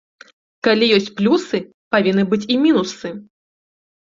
Калі ёсць плюсы, павінны быць і мінусы.